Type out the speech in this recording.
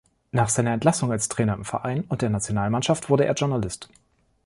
Nach seiner Entlassung als Trainer im Verein und der Nationalmannschaft wurde er Journalist.